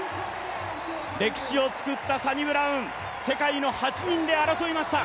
歴史を作ったサニブラウン、世界の８人で争いました。